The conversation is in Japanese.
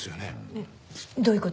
えっどういう事？